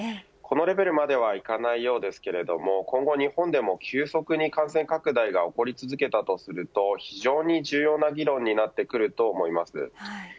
このレベルまではいかないようですけど今後日本でも急速に感染拡大が起こり続けたとすると非常に重要な議論になってくると思います。